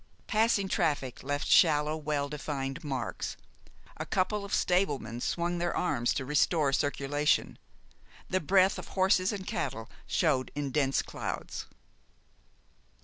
Passing traffic left shallow, well defined marks. A couple of stablemen swung their arms to restore circulation. The breath of horses and cattle showed in dense clouds.